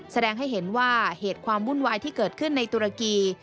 แสดงให้เห็นว่าเหตุความวุ่นวายที่เกิดขึ้นในตุรกี